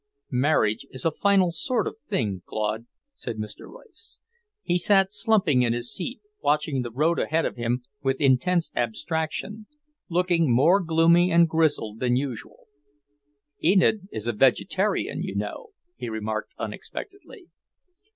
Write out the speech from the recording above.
"Marriage is a final sort of thing, Claude," said Mr. Royce. He sat slumping in his seat, watching the road ahead of him with intense abstraction, looking more gloomy and grizzled than usual. "Enid is a vegetarian, you know," he remarked unexpectedly.